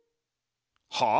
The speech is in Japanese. はあ？